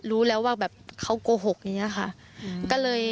รู้แล้วว่าแบบเขาโกหกอย่างนี้ค่ะ